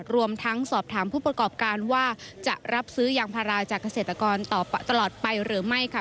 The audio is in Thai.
รวมทั้งสอบถามผู้ประกอบการว่าจะรับซื้อยางพาราจากเกษตรกรต่อตลอดไปหรือไม่ค่ะ